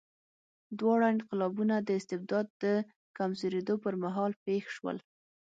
دواړه انقلابونه د استبداد د کمزورېدو پر مهال پېښ شول.